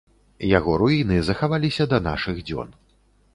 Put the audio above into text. Яго руіны захаваліся да нашых дзён.